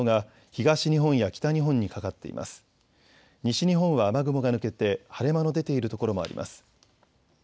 西日本は雨雲が抜けて、晴れ間の出ている所もあります。